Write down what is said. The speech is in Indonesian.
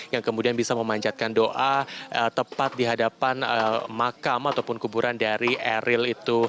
yang kemudian bisa memanjatkan doa tepat di hadapan makam ataupun kuburan dari eril itu